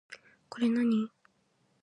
これ何